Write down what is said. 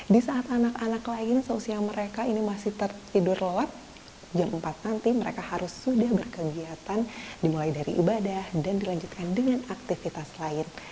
di saat anak anak lain seusia mereka ini masih tertidur lelap jam empat nanti mereka harus sudah berkegiatan dimulai dari ibadah dan dilanjutkan dengan aktivitas lain